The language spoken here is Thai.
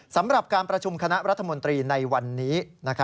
สำหรับการประชุมคณะรัฐมนตรีในวันนี้